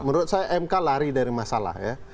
menurut saya mk lari dari masalah ya